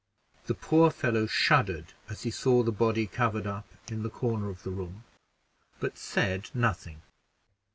The poor fellow shuddered as he saw the body covered up in the corner of the room, but said nothing.